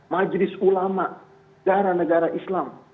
majelis ulama negara negara islam